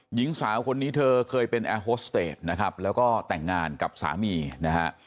หญิงสาวคนนี้เธอเคยเป็นแอร์โฮสเตจนะครับแล้วก็แต่งงานกับสามีนะฮะ